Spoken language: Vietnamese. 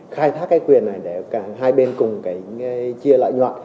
khai thác quyền này để hai bên cùng chia lại nhọt